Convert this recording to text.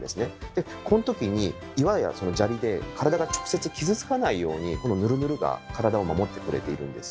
でこの時に岩や砂利で体が直接傷つかないようにヌルヌルが体を守ってくれているんです。